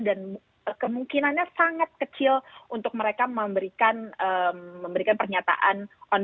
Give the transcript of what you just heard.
dan kemungkinannya sangat kecil untuk mereka memberikan pernyataan